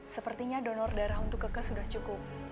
sepertinya donor darah untuk kekes sudah cukup